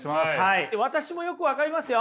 私もよく分かりますよ。